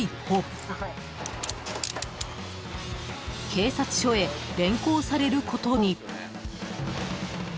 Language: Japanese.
［警察署へ連行されることに］